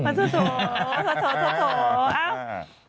โสโสโสโสโสโส